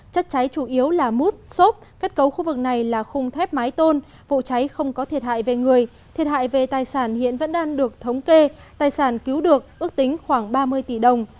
chất cháy chủ yếu là mút xốp kết cấu khu vực này là khung thép mái tôn vụ cháy không có thiệt hại về người thiệt hại về tài sản hiện vẫn đang được thống kê tài sản cứu được ước tính khoảng ba mươi tỷ đồng